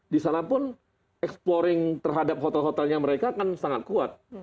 di sana pun exploring terhadap hotel hotelnya mereka kan sangat kuat